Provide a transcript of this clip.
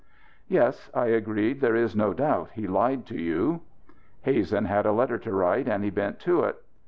"Yes," I agreed. "There is no doubt he lied to you." Hazen had a letter to write and he bent to it.